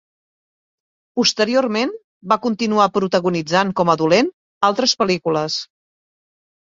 Posteriorment, va continuar protagonitzant com a dolent altres pel·lícules.